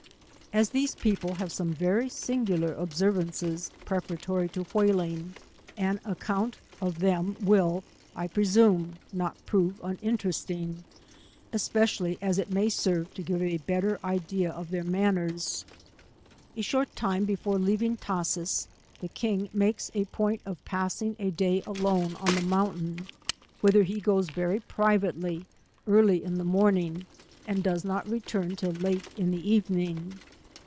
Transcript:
As these people have some very singular observ ances preparatory to whaling, an account of them }'. will, I presume, not prove uninlerestvng', especially as it may serve to give a better idea of their manners. A short time before leaving Tashees, the king makes a point of passing a day alone on the mountain, whither he goes very privately early in the morning, and does not return till late in the evening.